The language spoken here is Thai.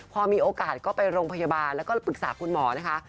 พอมีโอกาสก็ไปโรงพยาบาลแล้วก็ปรึกษาคุณหมอนะคะ